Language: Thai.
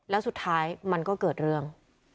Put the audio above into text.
แล้วสุดท้ายมันก็เกิดเรื่อง